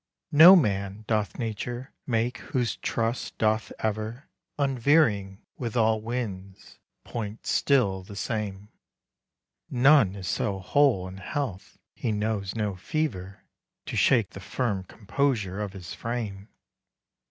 No man doth Nature make whose trust doth ever Unveering with all winds point still the same; None is so whole in health he knows no fever To shake the firm composure of his frame.